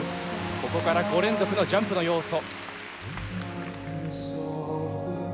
ここから５連続のジャンプの要素。